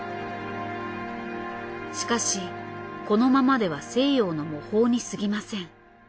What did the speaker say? しかしこのままでは西洋の模倣にすぎません。